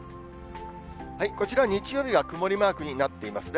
こちら、日曜日が曇りマークになっていますね。